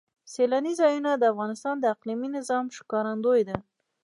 سیلانی ځایونه د افغانستان د اقلیمي نظام ښکارندوی ده.